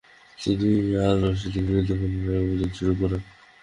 তিনি আল রশিদের বিরুদ্ধে পুনরায় অভিযান শুরু করেন।